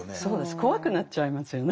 怖くなっちゃいますよね。